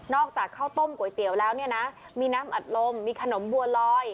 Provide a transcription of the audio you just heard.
อกจากข้าวต้มก๋วยเตี๋ยวแล้วเนี่ยนะมีน้ำอัดลมมีขนมบัวลอย